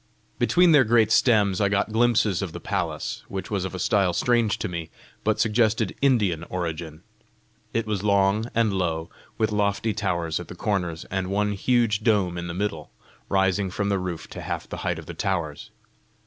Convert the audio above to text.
Between their great stems I got glimpses of the palace, which was of a style strange to me, but suggested Indian origin. It was long and low, with lofty towers at the corners, and one huge dome in the middle, rising from the roof to half the height of the towers.